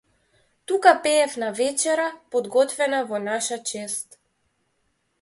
Тука пеев на вечера подготвена во наша чест.